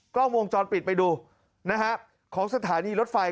กล้องวงจรปิดไปดูนะฮะของสถานีรถไฟ